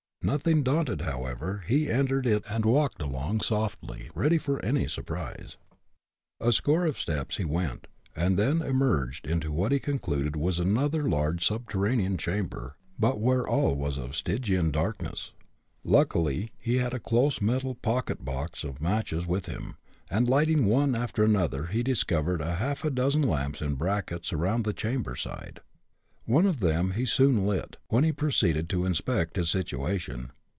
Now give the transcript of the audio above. Nothing daunted, however, he entered it and walked along softly, ready for any surprise. A score of steps he went, and then emerged into what he concluded was another large subterranean chamber, but where all was of Stygian darkness. Luckily he had a close metal pocket box of matches with him, and lighting one after another he discovered a half dozen lamps in brackets around the chamber side. One of them he soon lit, when he proceeded to inspect his situation.